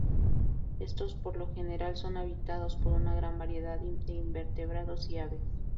Estos por lo general son habitados por una gran variedad de invertebrados y aves.